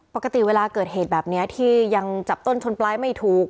ปกติเวลาเกิดเหตุแบบนี้ที่ยังจับต้นชนปลายไม่ถูก